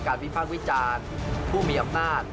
การพิพักวิจารณ์ผู้มีอำนาจ